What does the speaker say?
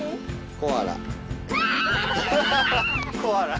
コアラ。